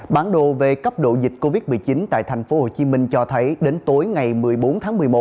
bản đồ về cấp độ dịch covid một mươi chín tại tp hcm cho thấy đến tối ngày một mươi bốn tháng một mươi một